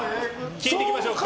聞いていきましょうか。